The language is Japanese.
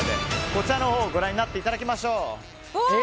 こちらをご覧になっていただきましょう。